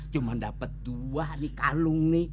cuman dapet dua kalung nih